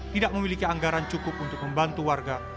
tidak memiliki anggaran cukup untuk membantu warga